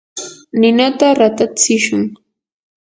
ninata ratatsishun.